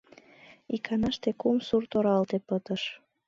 Иканаште кум сурт оралте пытыш.